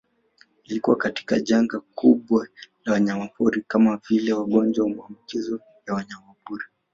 Ilikuwa katika janga kubwa la wanyamapori kama vile magonjwa maambukizo ya wanyamapori